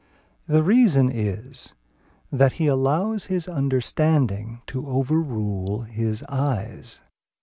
The reason is that he allows his understanding to overrule his eyes.